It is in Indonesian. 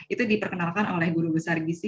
itu diperkenalkan oleh guru besar gisi